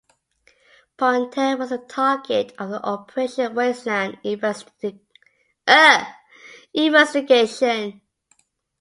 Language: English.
Ponte was a target of the operation wasteland investigation.